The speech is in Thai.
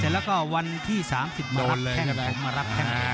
แล้วก็วันที่๓๐มารับแท่งประวาส